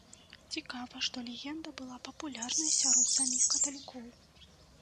Цікава, што легенда была папулярнай сярод саміх каталікоў.